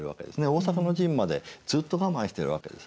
大坂の陣までずっと我慢しているわけです。